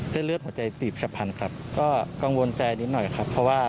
เส้นเลือดหัวใจตีบฉับพันธุ์ครับก็กังวลใจนิดหน่อยครับเพราะว่า